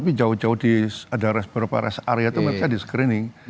tapi jauh jauh di ada beberapa rest area itu mereka di screening